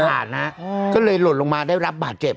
ก็เลยหลุดหลุดก็เลยลดลงมาได้รับบาตเจ็บ